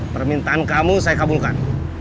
permintaan kamu saya kabulkan